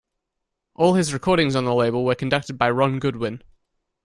All his recordings on the label were conducted by Ron Goodwin.